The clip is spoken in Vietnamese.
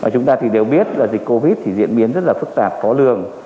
chúng ta đều biết dịch covid diễn biến rất phức tạp khó lường